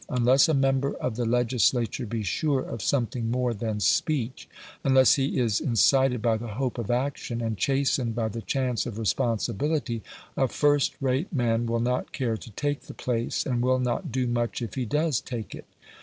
Unless a member of the legislature be sure of something more than speech, unless he is incited by the hope of action, and chastened by the chance of responsibility, a first rate man will not care to take the place, and will not do much if he does take it.